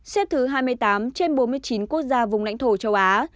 xếp thứ hai mươi tám trên bốn mươi chín quốc gia vùng lãnh thổ châu á